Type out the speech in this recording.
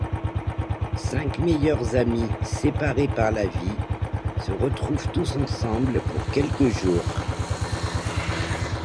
Cinq meilleurs amis, séparés par la vie, se retrouvent tous ensemble pour quelques jours.